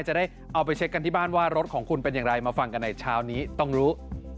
จะได้เอาไปเช็คกันที่บ้านว่ารถของคุณเป็นอย่างไรมาฟังกันในเช้านี้ต้องรู้